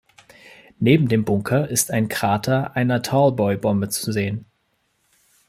Neben dem Bunker ist ein Krater einer Tallboy-Bombe zu sehen.